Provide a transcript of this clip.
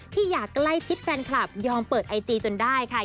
อย่าใกล้ชิดแฟนคลับยอมเปิดไอจีจนได้ค่ะ